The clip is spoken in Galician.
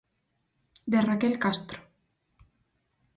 De Raquel Castro.